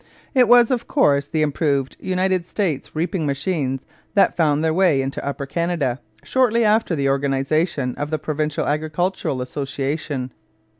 It was, of course, the improved United States reaping machines that found their way into Upper Canada shortly after the organization of the Provincial Agricultural Association.